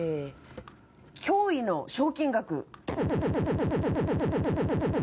驚異の賞金額！！